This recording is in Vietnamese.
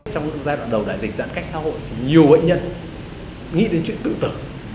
trong giai đoạn đầu đại dịch giãn cách xã hội thì nhiều bệnh nhân nghĩ đến chuyện tự tử